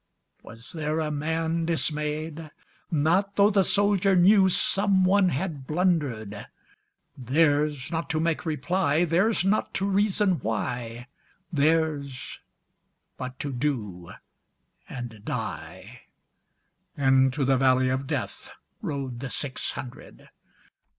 Was there a man dismay'd? Not tho' the soldier knewSome one had blunder'd:Theirs not to make reply, Theirs not to reason why, Theirs but to do and die:Into the valley of DeathRode the six hundred.